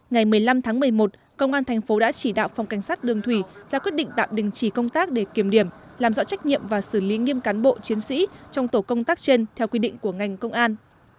ngày một mươi năm tháng một mươi một công an thành phố đã chỉ đạo phòng cảnh sát đường thủy ra quyết định tạm đình chỉ công tác để kiểm điểm làm rõ trách nhiệm và xử lý nghiêm cán bộ chiến sĩ trong tổ công tác trên theo quy định của ngành công an